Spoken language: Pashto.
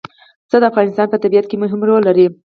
پسه د افغانستان په طبیعت کې مهم رول لري.